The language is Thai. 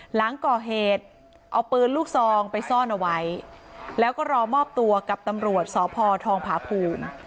หลังก่อเหตุเอาปืนลูกซองไปซ่อนเอาไว้แล้วก็รอมอบตัวกับตำรวจสพทองผาภูมิ